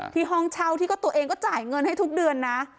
ห้องเช่าที่ก็ตัวเองก็จ่ายเงินให้ทุกเดือนนะ